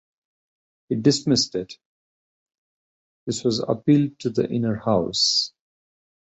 He dismissed it; this was appealed to the Inner House.